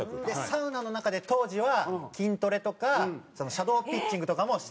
サウナの中で当時は筋トレとかシャドーピッチングとかもしてて。